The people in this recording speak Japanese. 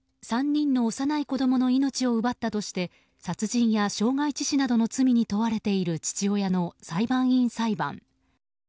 ３人の幼い子供の命を奪ったとして殺人や傷害致死などの罪に問われている父親の裁判員裁判。